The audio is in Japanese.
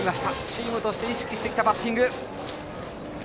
チームとして意識してきたバッティング！